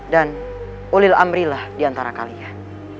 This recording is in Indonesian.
dan ulil amrilah diantara kalian